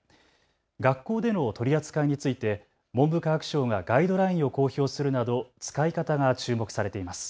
学校での取り扱いについて文部科学省がガイドラインを公表するなど使い方が注目されています。